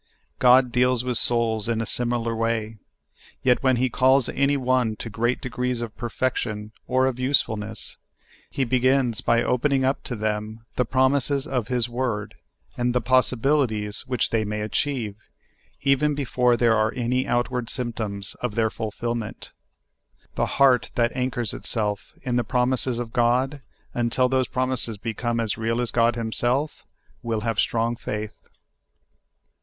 God deals with souls in a similar way ; yet when He calls any one to great degrees of perfection or of usefulness. He begins by opening up to them the promises of His Word, and the possibilities which they may achieve, even before there are any outward symptoms of their fulfillment. The heart that anchors itself in the promises of God, until those promises become as real as God himself, will have strong faith.